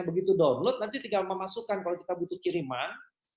begitu download nanti tinggal memasukkan kalau kita butuh kiriman